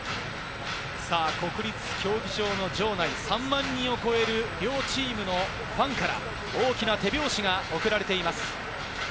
国立競技場の場内３万人を超える両チームのファンから大きな手拍子が送られています。